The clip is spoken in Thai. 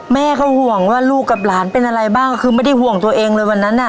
แม่ก็ห่วงว่าลูกกับหลานเป็นอะไรบ้างก็คือไม่ได้ห่วงตัวเองเลยวันนั้นอ่ะ